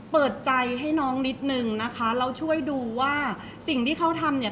เพราะว่าสิ่งเหล่านี้มันเป็นสิ่งที่ไม่มีพยาน